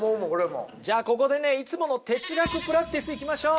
じゃあここでねいつもの哲学プラクティスいきましょう。